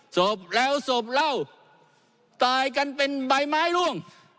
ศพแล้วศพเหล้าตายกันเป็นใบไม้ร่วง